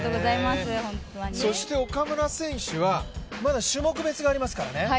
そして岡村選手はまだ種目別がありますからね。